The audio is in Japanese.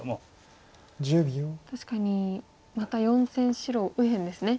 確かにまた４線白右辺ですね。